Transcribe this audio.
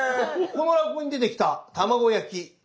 この落語に出てきた卵焼き